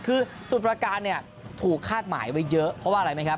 คือสมุทรประการเนี่ยถูกคาดหมายไว้เยอะเพราะว่าอะไรไหมครับ